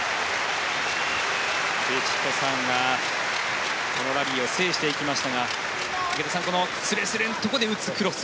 ヴィチットサーンがこのラリーを制していきましたが池田さんすれすれのところで打つクロス。